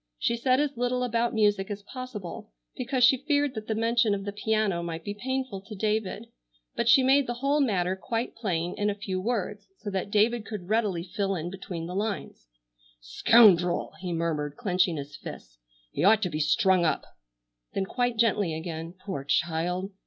She said as little about music as possible, because she feared that the mention of the piano might be painful to David, but she made the whole matter quite plain in a few words, so that David could readily fill in between the lines. "Scoundrel!" he murmured clenching his fists, "he ought to be strung up!" Then quite gently again, "Poor child!